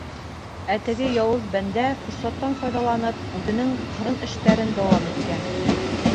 Ә теге яуыз бәндә, форсаттан файҙаланып, үҙенең ҡырын эштәрен дауам иткән.